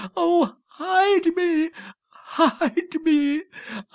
Oh, hide me! hide me!